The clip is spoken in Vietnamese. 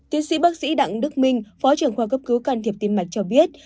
tiến sĩ bác sĩ đặng đức minh phó trưởng khoa cấp cứu can thiệp tim mạch cho biết